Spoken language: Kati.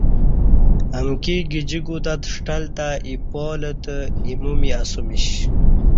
امکی گجی کوتت ݜٹل تہ ایپالہ تہ ایمومی اسہ میش